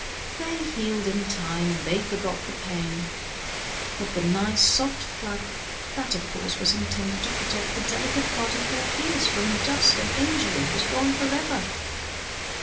They healed in time, and they forgot the pain, but the nice soft flap, that of course was intended to protect the delicate part of their ears from dust and injury, was gone forever.